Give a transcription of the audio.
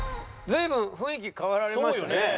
随分雰囲気変わられましたね。